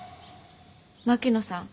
槙野さん